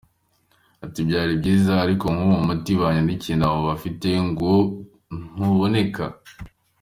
Ati “ byari byiza, ariko nkubu umuti banyandikiye ntawo bafite ngo ntuboneka.